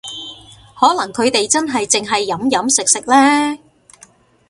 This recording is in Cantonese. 可能佢哋真係淨係飲飲食食呢